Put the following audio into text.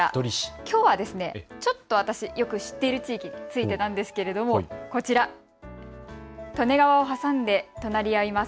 きょうはちょっと私よく知っている地域なんんですけれどもこちら、利根川を挟んで隣り合います